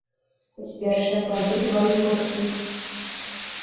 Хоць першыя плады бываюць горкімі.